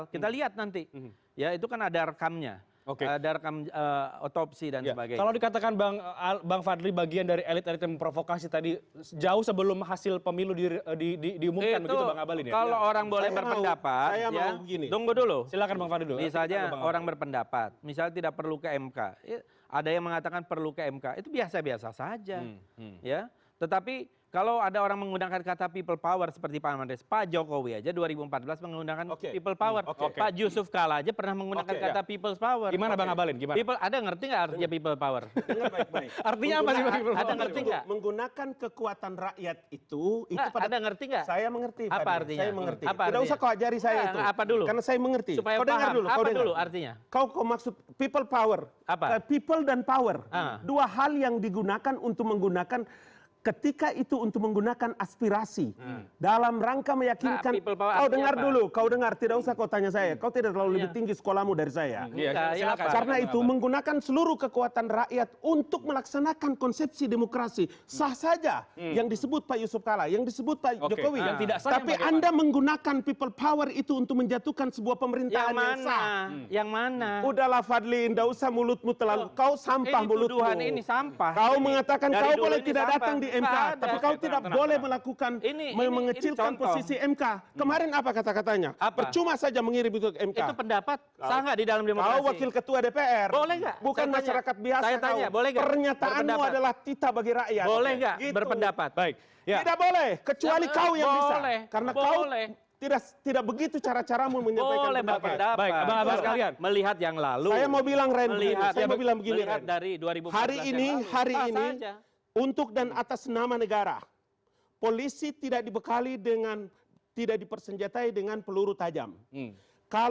kalau misalnya kemarin pun yang disebut sodara ngabalin itu hari pertama